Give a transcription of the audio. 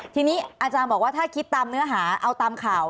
ทีนี้อาจารย์บอกว่าถ้าคิดตามเนื้อหาเอาตามข่าว